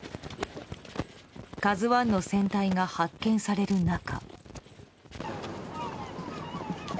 「ＫＡＺＵ１」の船体が発見される中。